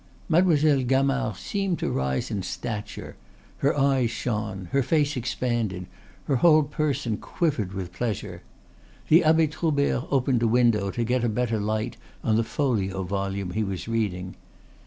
Mademoiselle Gamard seemed to rise in stature, her eyes shone, her face expanded, her whole person quivered with pleasure. The Abbe Troubert opened a window to get a better light on the folio volume he was reading.